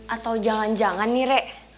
atau jangan jangan nih rek